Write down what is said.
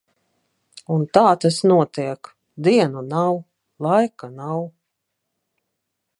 Un tā tas notiek. Dienu nav, laika nav.